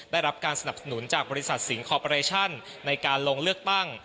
ได้รับการสนับสนุนจากบริษัทสิงคอร์ปอเรชั่นในการลงเลือกตั้ง